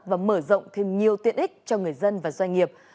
và mở rộng thêm nhiều tiện ích cho người dân và doanh nghiệp